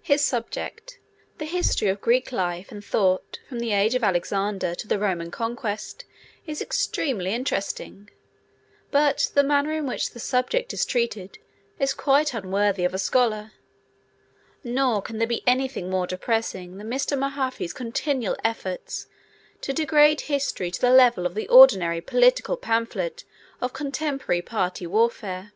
His subject, the history of Greek Life and Thought: from the Age of Alexander to the Roman Conquest, is extremely interesting, but the manner in which the subject is treated is quite unworthy of a scholar, nor can there be anything more depressing than Mr. Mahaffy's continual efforts to degrade history to the level of the ordinary political pamphlet of contemporary party warfare.